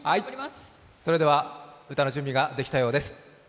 それでは歌の準備ができたようです。